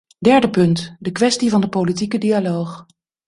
Derde punt: de kwestie van de politieke dialoog.